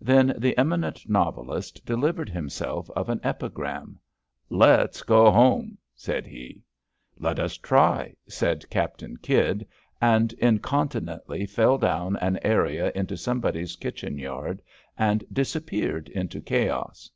Then the eminent novelist delivered himself of an epigram. Let's go home," said he. *^ Let us try," said Captain Kydd, and inconti nently fell down an area into somebody's kitchen yard and disappeared into chaos.